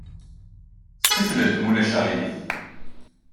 Ssefled, ma ulac aɣilif.